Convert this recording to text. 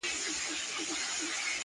چي نه عادت نه ضرورت وو- مينا څه ډول وه-